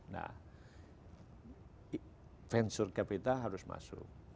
nah venture capita harus masuk